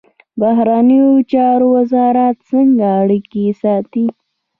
بهرنیو چارو وزارت څنګه اړیکې ساتي؟